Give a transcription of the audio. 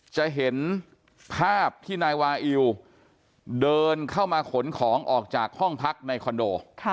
จะเห็นภาพที่นายวาอิวเดินเข้ามาขนของออกจากห้องพักในคอนโด